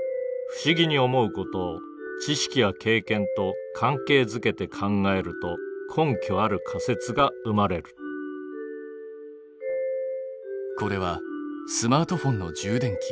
不思議に思うことを知識や経験と関係づけて考えると根拠ある仮説が生まれるこれはスマートフォンの充電器。